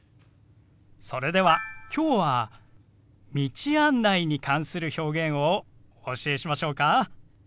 それでは今日は道案内に関する表現をお教えしましょうか？